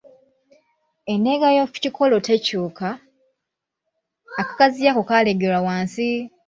Endeega y’oku kikolo tekyuka, akagaziyo ako kaleegerwa wansi